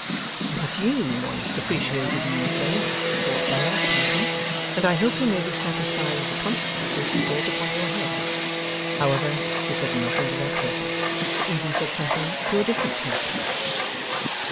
'But YOU once depreciated ME, sir,' thought Bella, pouting, 'and I hope you may be satisfied with the consequences you brought upon your head!' However, she said nothing to that purpose; she even said something to a different purpose.